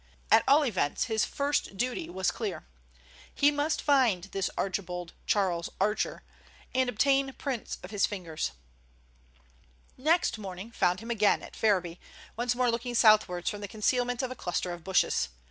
At all events his first duty was clear. He must find this Archibald Charles Archer, and obtain prints of his fingers. Next morning found him again at Ferriby, once more looking southwards from the concealment of a cluster of bushes.